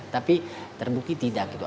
tapi terbukti tidak gitu